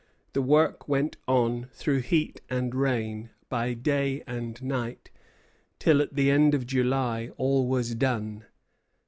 The work went on through heat and rain, by day and night, till, at the end of July, all was done.